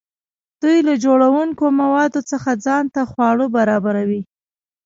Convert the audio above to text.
دوی له جوړونکي موادو څخه ځان ته خواړه برابروي.